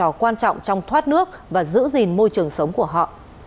hồ tự nhiên có vai trò quan trọng trong thoát nước và giữ gìn môi trường sống của họ